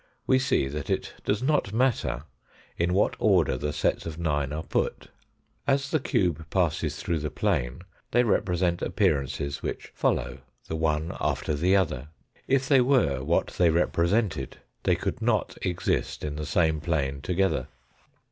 We see that it does not matter in what order the sets of nine are put. As the cube passes through the plane they represent ap pearances which follow the one after the other. If they were what they represented, they could not exist in the same plane together.